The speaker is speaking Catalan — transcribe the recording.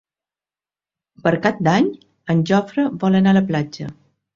Per Cap d'Any en Jofre vol anar a la platja.